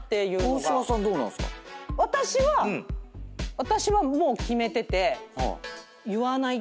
私はもう決めてて。